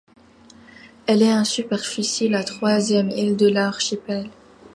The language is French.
Elle est en superficie la troisième île de l'archipel.